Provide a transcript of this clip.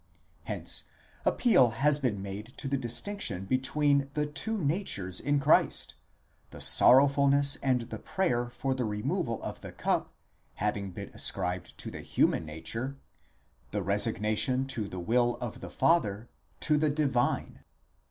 Hence appeal has been made to the distinction between the two natures in Christ ; the sorrowfulness and the prayer for the removal of the cup having been ascribed to the human nature, the resignation to the will of the Father, to the divine.